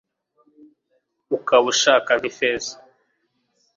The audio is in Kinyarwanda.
Ukabushaka nkifeza